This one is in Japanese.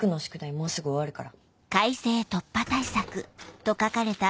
もうすぐ終わるから。